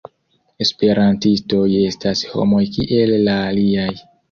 Esperantistoj estas homoj kiel la aliaj.